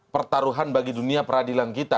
pertaruhan bagi dunia peradilan kita